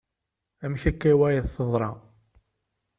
Amek akka i wayeḍ teḍra.